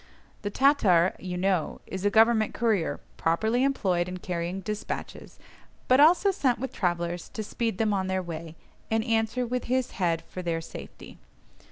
The Tatar, you know, is a government courier properly employed in carrying despatches, but also sent with travellers to speed them on their way, and answer with his head for their safety.